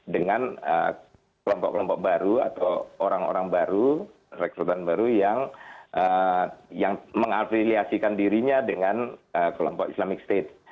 dengan kelompok kelompok baru atau orang orang baru rekrutmen baru yang mengafiliasikan dirinya dengan kelompok islamic state